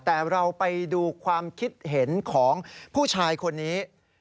แต่เราไปดูความคิดเห็นของผู้ชายคนนี้